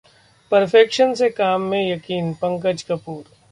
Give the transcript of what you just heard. perfection से काम में यकीन: पंकज कपूर